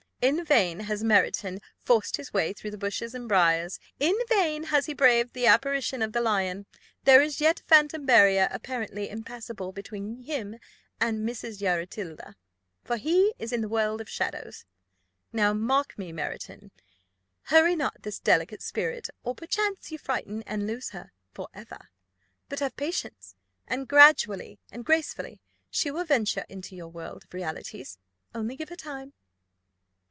In vain has Marraton forced his way through the bushes and briars, in vain has he braved the apparition of the lion; there is yet a phantom barrier apparently impassable between him and his Yaratilda, for he is in the world of shadows. Now, mark me, Marraton: hurry not this delicate spirit, or perchance you frighten and lose her for ever; but have patience, and gradually and gracefully she will venture into your world of realities only give her time."